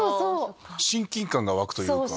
親近感が湧くというか。